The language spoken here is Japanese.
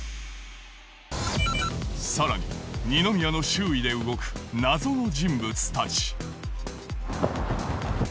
さらに二宮の周囲で動く謎の人物たち